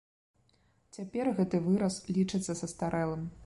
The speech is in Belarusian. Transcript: Цяпер гэты выраз лічыцца састарэлым.